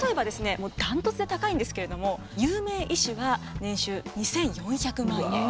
もう断トツで高いんですけれども有名医師は年収２，４００万円。